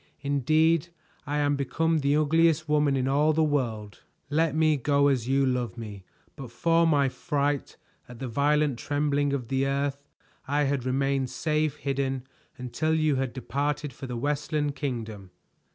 Indeed I am become the ugliest woman in all the world. Let me go, as you love me. But for my fright at the violent trembling of the earth I had remained safe hidden until you had departed for the Westland Kingdom."